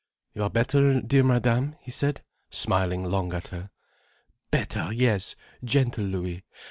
"You are better, dear Madame?" he said, smiling long at her. "Better, yes, gentle Louis.